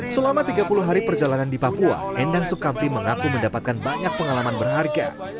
selama tiga puluh hari perjalanan di papua endang sukamti mengaku mendapatkan banyak pengalaman berharga